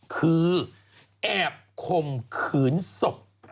คือแอบข่มขืนศพ